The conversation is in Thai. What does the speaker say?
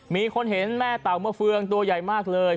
มีคนเห็นแม่เต่าเมื่อเฟืองตัวใหญ่มากเลย